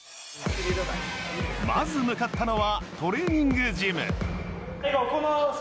まず向かったのはトレーニングジム。